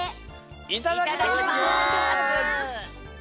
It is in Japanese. いただきます。